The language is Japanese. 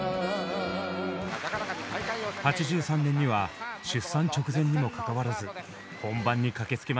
８３年には出産直前にもかかわらず本番に駆けつけました。